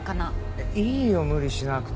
えっいいよ無理しなくて。